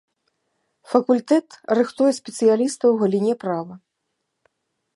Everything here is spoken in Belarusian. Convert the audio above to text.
Факультэт рыхтуе спецыялістаў у галіне права.